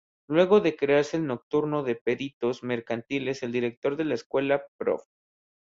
Luego de crearse el nocturno de Peritos Mercantiles el director de la escuela, Prof.